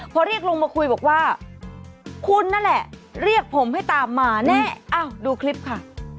พอเรียกลุงมาคุยบอกว่าคุณนั่นแหละเรียกผมให้ตามมาแน่อ้าวดูคลิปค่ะ